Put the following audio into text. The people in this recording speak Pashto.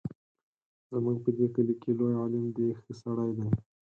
زموږ په دې کلي کې لوی عالم دی ښه سړی دی.